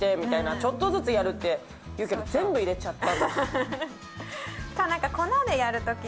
ちょっとずつやるっていうけど全部入れちゃった。